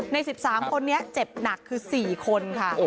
ใน๑๓คนนี้เจ็บหนักคือ๔คนค่ะ